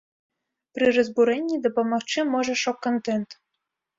Пры разбурэнні дапамагчы можа шок-кантэнт.